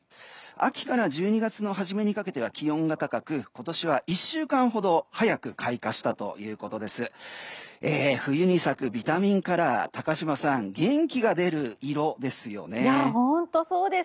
秋から１２月の初めにかけては気温が高く今年は１週間ほど早く開花したということです。